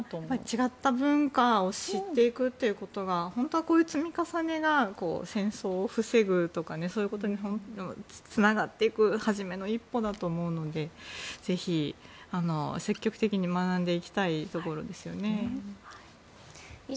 違った文化を知っていくということが本当はこういう積み重ねが戦争を防ぐとかそういうことにつながっていく初めの一歩だと思うのでここからは斎藤さん、林さんです。